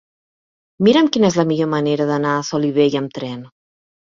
Mira'm quina és la millor manera d'anar a Solivella amb tren.